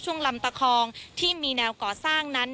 ช่วงลำตะคองที่มีแนวก่อสร้าง